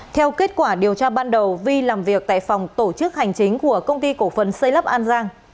theo kết quả điều tra ban đầu vi làm việc tại phòng tổ chức hành chính của công ty cổ phần xây lắp an giang